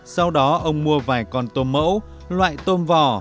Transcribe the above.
sau đó ông mua vài con tôm mẫu loại tôm vỏ